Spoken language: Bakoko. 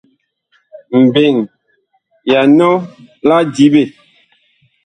Mbeŋ ya nɔ la diɓe.